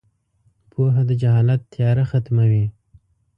• پوهه د جهالت تیاره ختموي.